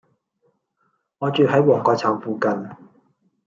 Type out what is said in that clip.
我住喺旺角站附近